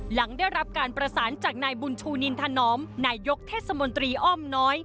หลังได้รับการประสานจากนายบุญชูนินถนอมนายยกเทศมนตรีอ้อมน้อย